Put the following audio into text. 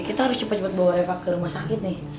kita harus cepet cepet bawa reva ke rumah sakit nih